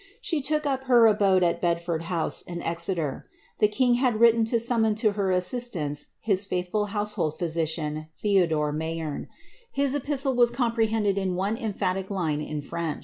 She took up her abode at Bedford House, in Exeter. The king had written to summon to her assistance his faithful household physi cian, Theodore Mayerne ; his epistle was comprehended in one empha Ue line in French.